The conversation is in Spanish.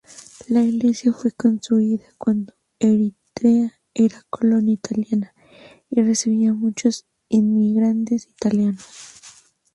La iglesia fue construida cuando Eritrea era colonia italiana y recibía muchos inmigrantes italianos.